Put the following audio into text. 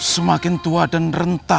semakin tua dan rentas